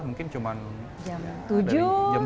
mungkin cuma jam tujuh